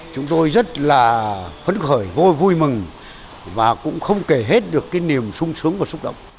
chúng tôi rất là phấn khởi vui mừng và cũng không kể hết được cái niềm sung sướng và xúc động